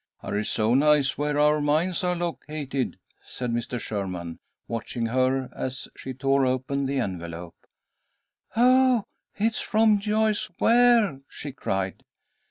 "Arizona is where our mines are located," said Mr. Sherman, watching her as she tore open the envelope. "Oh, it's from Joyce Ware!" she cried.